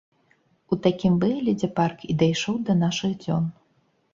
У такім выглядзе парк і дайшоў да нашых дзён.